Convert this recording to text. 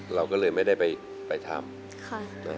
เราก็เลยไม่ได้ไปทำ